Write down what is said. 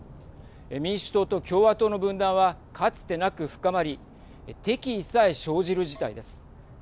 民主党と共和党の分断はかつてなく深まり敵意さえ生じる事態です。